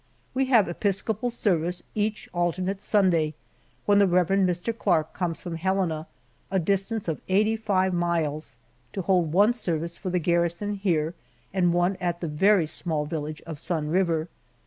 We have Episcopal service each alternate Sunday, when the Rev. Mr. Clark comes from Helena, a distance of eighty five miles, to hold one service for the garrison here and one at the very small village of Sun River.